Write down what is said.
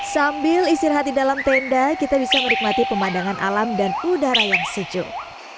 sambil istirahat di dalam tenda kita bisa menikmati pemandangan alam dan udara yang sejuk